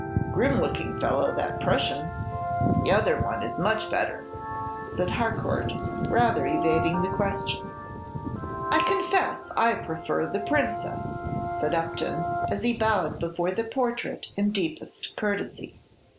"Grim looking fellow the Prussian; the other is much better," said Harcourt, rather evading the question. "I confess I prefer the Princess," said Upton, as he bowed before the portrait in deepest courtesy.